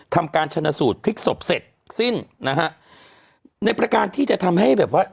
ทำการชนะสูตรพลิกศพเสร็จสิ้นนะฮะในประการที่จะทำให้แบบว่า